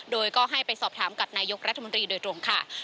โดยก็ให้ไปสอบถามกับนายกรัฐมนตรีโดยตรงค่ะ